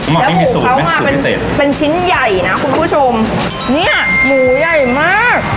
แล้วหมูเขามาเป็นเป็นชิ้นใหญ่นะคุณผู้ชมเนี้ยหมูใหญ่มาก